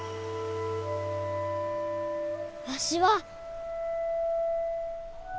わしは。